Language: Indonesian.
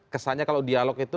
kesannya kalau dialog itu